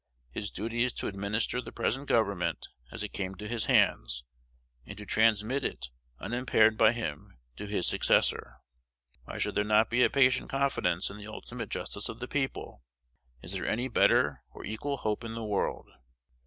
His duty is to administer the present government as it came to his hands, and to transmit it unimpaired by him to his successor. Why should there not be a patient confidence in the ultimate justice of the people? Is there any better or equal hope in the world?